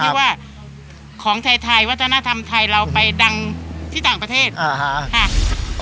ที่ว่าของไทยไทยวัฒนธรรมไทยเราไปดังที่ต่างประเทศอ่าฮะค่ะ